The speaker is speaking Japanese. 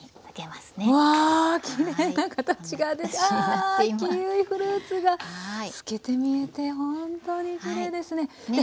キウイフルーツが透けて見えてほんとにきれいですね。